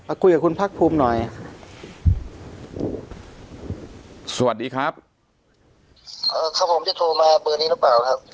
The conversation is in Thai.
คุยกับคุณพักภูมิหน่อยค่ะสวัสดีครับเอ่อครับผมจะโทรมาเบอร์นี้หรือเปล่าครับ